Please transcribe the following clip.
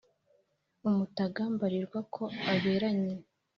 umutaga mbarirwa ko aberanye